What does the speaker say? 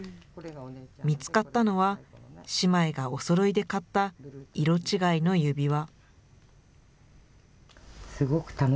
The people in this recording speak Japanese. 見つかったのは、姉妹がおそろいで買った色違いの指輪。